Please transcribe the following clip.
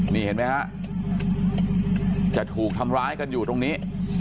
นี่เห็นไหมฮะจะถูกทำร้ายกันอยู่ตรงนี้